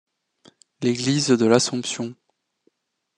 L'église de l'Assomption.